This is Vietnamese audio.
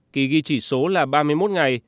kỳ ghi chỉ số là ba mươi một ngày